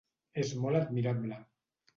És molt admirable".